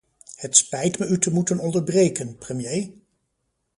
Het spijt me u te moeten onderbreken, premier.